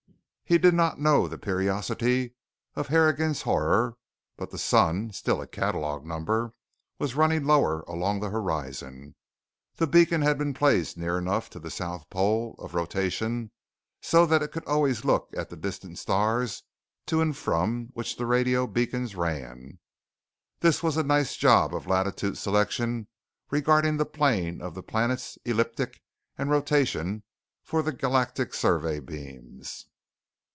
He did not know the periodicity of Harrigan's Horror. But the sun still a catalog number was running lower along the horizon. The beacon had been placed near enough to the South Pole of rotation so that it could always look at the distant stars to and from which the radio beacons ran. This was a nice job of latitude selection regarding the plane of the planet's ecliptic and rotation for the Galactic Survey beams.